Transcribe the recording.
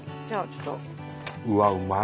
うわっうまい！